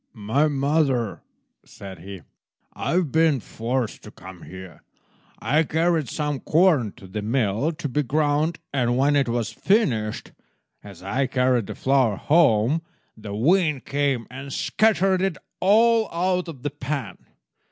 "My mother," said he, "I have been forced to come here. I carried some corn to the mill to be ground, and when it was finished, as I carried the flour home, the wind came and scattered it all out of the pan.